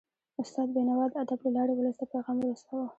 استاد بينوا د ادب له لارې ولس ته پیغام ورساوه.